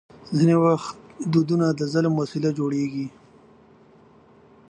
ځینې وخت دودونه د ظلم وسیله جوړېږي.